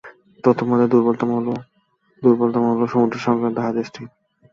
তন্মধ্যে দুর্বলতম হলো সমুদ্র সংক্রান্ত হাদীসটি।